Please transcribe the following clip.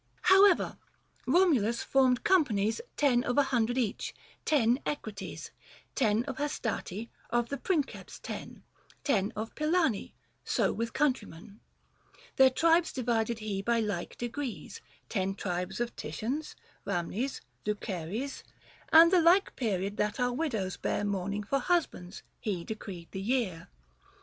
However Romulus formed companies Ten of a hundred each, ten Equites, Ten of Hastati, of the Princeps ten, 135 Ten of Pilani ; so with countrymen, Their tribes divided he by like degrees — Ten tribes of Titians, Rhamnes, Luceres ; And the like period that our widows bear Mourning for husbands — he decreed the year.